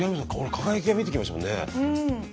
輝きが見えてきましたもんね。